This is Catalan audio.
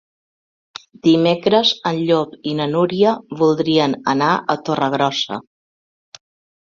Dimecres en Llop i na Núria voldrien anar a Torregrossa.